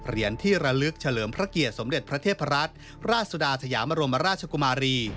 เหรียญที่ระลึกเฉลิมพระเกียรติสมเด็จพระเทพรัตน์ราชสุดาสยามรมราชกุมารี